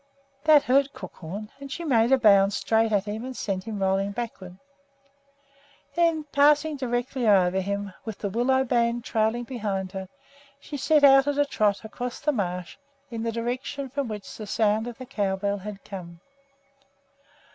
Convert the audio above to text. That hurt Crookhorn, and she made a bound straight at him and sent him rolling backward. Then, passing directly over him, with the willow band trailing behind her, she set out on a trot across the marsh in the direction from which the sound of the cow bell had come.